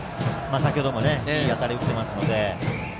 先程もいい当たりを打っていますので。